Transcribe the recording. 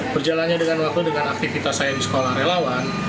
berjalannya dengan waktu dengan aktivitas saya di sekolah relawan